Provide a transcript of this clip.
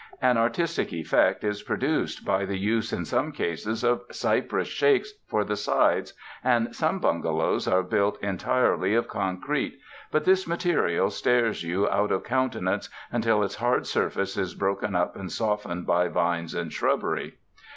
An artistic effect is produced by the use, in some cases, of cypress shakes for the sides, and some bungalows are built entirely of con crete, but this material stares you out of counte nance until its hard surface is broken up and softened by vines and shrubbery.